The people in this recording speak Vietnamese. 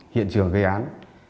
hiện trường gây án